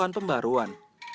dan juga penyelesaian pembaruan